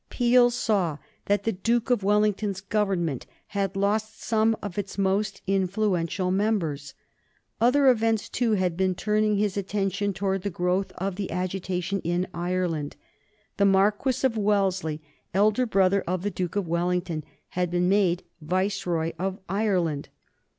Peel saw that the Duke of Wellington's Government had lost some of its most influential members. Other events, too, had been turning his attention towards the growth of the agitation in Ireland. The Marquis of Wellesley, elder brother of the Duke of Wellington, had been Viceroy of Ireland.